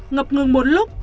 ngập ngừng một lúc